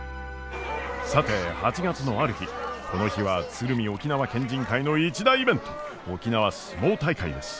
さて８月のある日この日は鶴見沖縄県人会の一大イベント沖縄角力大会です。